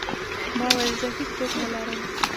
ما وويل زه هېڅ څوک نه لرم.